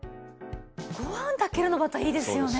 ご飯炊けるのまたいいですよね。